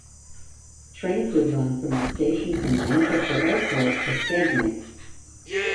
Trains would run from the station from Manchester Airport to Skegness.